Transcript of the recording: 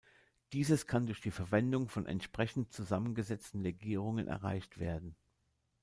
Dieses kann durch die Verwendung von entsprechend zusammengesetzten Legierungen erreicht werden.